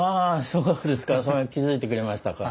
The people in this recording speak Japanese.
そうですかそれに気付いてくれましたか。